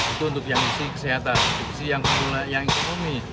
itu untuk yang isi kesehatan yang ekonomi